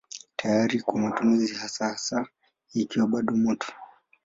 Tayari kwa matumizi hasa hasa ikiwa bado moto.